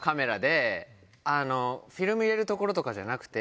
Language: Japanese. フィルム入れる所とかじゃなくて。